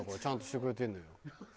ちゃんとしてくれてんだよ。